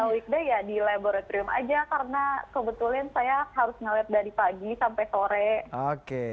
weekday ya di laboratorium aja karena kebetulan saya harus ngeliat dari pagi sampai sore oke